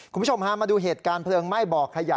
คุณผู้ชมพามาดูเหตุการณ์เพลิงไหม้บ่อขยะ